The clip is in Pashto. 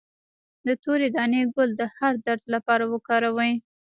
د تورې دانې ګل د هر درد لپاره وکاروئ